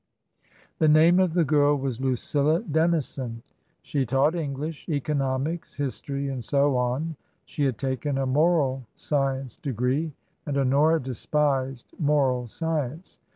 The name of the girl was Lucilla Dennison. She taught English, economics, history, and so on. She had taken a moral science degree. And Honora despised moral science.